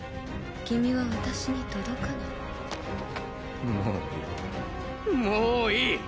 君は私に届かないもういいもういい！